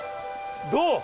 どう？